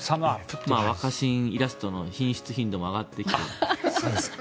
若新イラストの頻度も上がってきて。